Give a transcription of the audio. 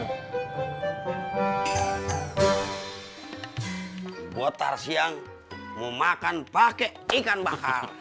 gue tar siang mau makan pake ikan bakar